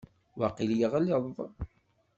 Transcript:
Waqil yeɣleḍ.